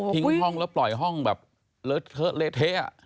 ทิ้งห้องแล้วปล่อยห้องแบบเหละเทะ